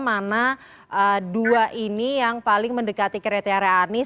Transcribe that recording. mana dua ini yang paling mendekati kriteria anies